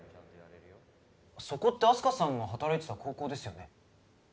そこってあす花さんが働いてた高校ですよね？